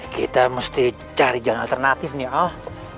kita mesti cari jalan alternatif nih oh